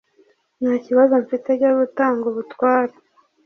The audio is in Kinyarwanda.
Ntakibazo mfite cyo gutanga ubutware